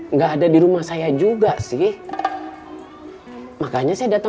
nak ada dirumah saya juga masih